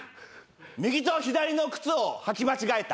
右と左の靴を履き間違えた。